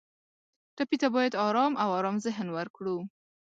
ټپي ته باید آرام او ارام ذهن ورکړو.